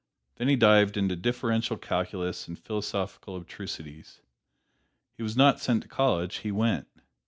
Then he dived into differential calculus and philosophical abstrusities. He was not sent to college: he went.